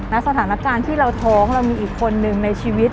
สถานการณ์ที่เราท้องเรามีอีกคนนึงในชีวิต